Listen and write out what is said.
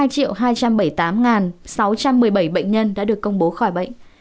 bệnh nhân đã được công bố khỏi bệnh